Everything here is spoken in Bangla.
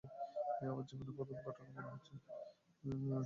আমার জীবনের প্রথম ঘটনা মনে আছে।